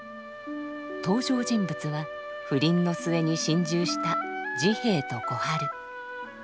登場人物は不倫の末に心中した治兵衛と小春。